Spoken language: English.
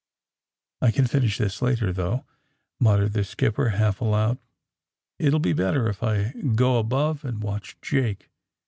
^^I can finish this later, though," muttered the skipper, half aloud. ^^It will be better if I go above and watch Jake.